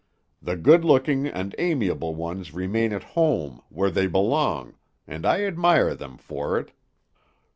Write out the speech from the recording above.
The good looking and amiable ones remain at home, where they belong, and I admire them for it.